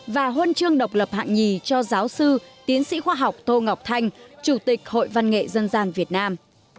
và huân chương độc lập hạng nhì cho giáo sư tiến sĩ khoa học tô ngọc thanh chủ tịch hội văn nghệ dân gian việt nam